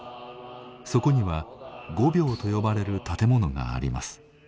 そこには御廟と呼ばれる建物があります。